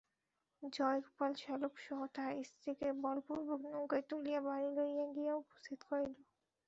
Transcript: জয়গোপাল শ্যালকসহ তাহার স্ত্রীকে বলপূর্বক নৌকায় তুলিয়া বাড়ি লইয়া গিয়া উপস্থিত করিল।